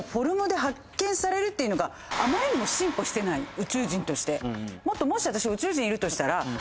宇宙人として。